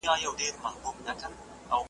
ماشومان بې سرپرسته مه کوئ.